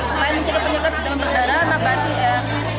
selain mencegah penyakit demam berdarah